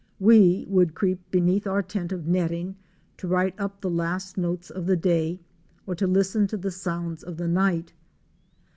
We would creep beneath our tent of netting to write up the last notes of the day or to listen to the sounds of the night.